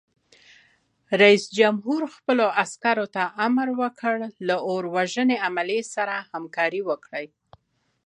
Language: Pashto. رئیس جمهور خپلو عسکرو ته امر وکړ؛ له اور وژنې عملې سره همکاري وکړئ!